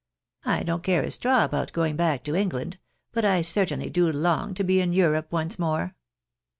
I don't care a straw about going back to England ; but I certainly do long to be in Europe once more."